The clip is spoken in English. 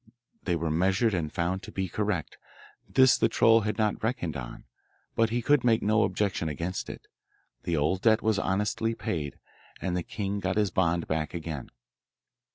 They were measured and found to be correct. This the troll had not reckoned on, but he could make no objection against it. The old debt was honestly paid, and the king got his bond back again.